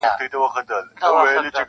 سل سهاره جاروم له دې ماښامه,